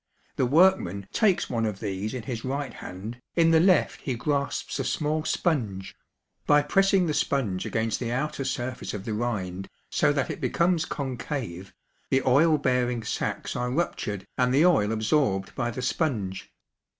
The workman takes one of these in his right hand, in the left he grasps a small sponge; by pressing the sponge against the outer surface of the rind so that it becomes concave, the oil bearing sacs are ruptured and the oil absorbed by the sponge.